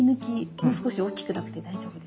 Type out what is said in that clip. もう少し大きくなくて大丈夫ですか？